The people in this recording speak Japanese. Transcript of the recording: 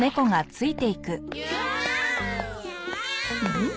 うん？